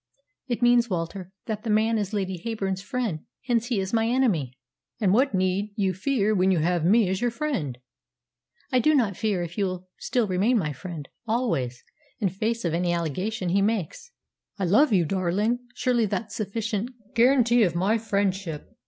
"It means, Walter, that that man is Lady Heyburn's friend; hence he is my enemy." "And what need you fear when you have me as your friend?" "I do not fear if you will still remain my friend always in face of any allegation he makes." "I love you, darling. Surely that's sufficient guarantee of my friendship?"